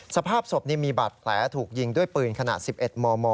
สภาพศพนี่มีบาดแผลถูกยิงด้วยปืนขนาด๑๑มม